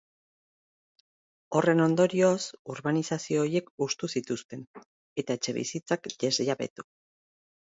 Horren ondorioz, urbanizazio horiek hustu zituzten, eta etxebizitzak desjabetu.